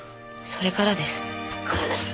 それからです。